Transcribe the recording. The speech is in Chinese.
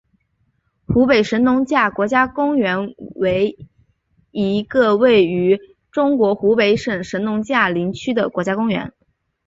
湖北神农架国家公园为一个位于中国湖北省神农架林区的国家公园。